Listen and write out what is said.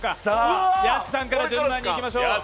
屋敷さんから順番にまいりましょう。